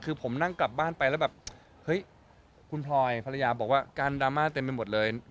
คือผมนั่งกลับบ้านไปแล้วแบบเฮ้ยคุณพลอยภรรยาบอกว่าการดราม่าเต็มไปหมดเลย